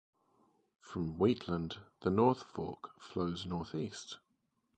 From Wheatland the North Fork flows northeast.